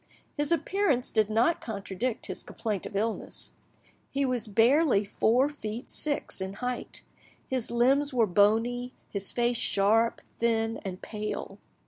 His appearance did not contradict his complaint of illness; he was barely four feet six in height, his limbs were bony, his face sharp, thin, and pale.